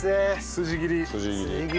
筋切り。